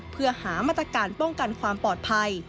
เพื่อหามาตรการป้องกันความปลอดภัย